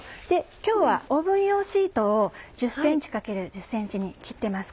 今日はオーブン用シートを１０ｃｍ×１０ｃｍに切ってます。